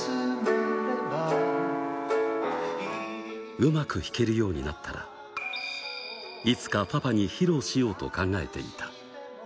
うまく弾けるようになったら、いつかパパに披露しようと考えていた。